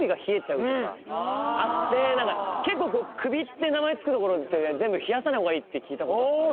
結構首って名前付く所って全部冷やさない方がいいって聞いたことあったんで。